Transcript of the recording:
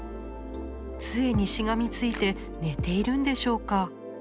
杖にしがみついて寝ているんでしょうか。